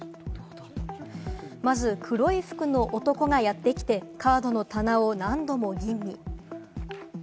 まず黒い服の男がやってきて、カードの棚を何度も吟味。